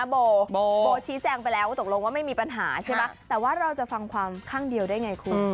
โบโบชี้แจงไปแล้วว่าตกลงว่าไม่มีปัญหาใช่ไหมแต่ว่าเราจะฟังความข้างเดียวได้ไงคุณ